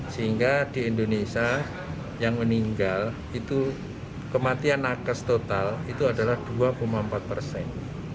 sehingga di indonesia yang meninggal itu kematian nakes total itu adalah dua empat persen